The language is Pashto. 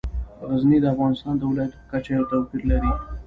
غزني د افغانستان د ولایاتو په کچه یو توپیر لري.